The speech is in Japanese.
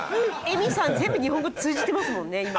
エミさん全部日本語通じてますもんね